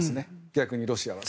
逆にロシアは。